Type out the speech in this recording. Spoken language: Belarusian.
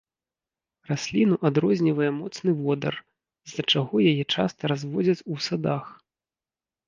Расліну адрознівае моцны водар, з-за чаго яе часта разводзяць у садах.